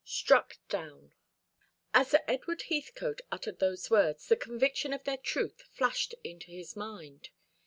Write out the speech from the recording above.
STRUCK DOWN. As Edward Heathcote uttered those words, the conviction of their truth flashed into his mind.